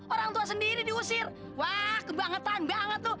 orang tua sendiri diusir wah kebangetan banget tuh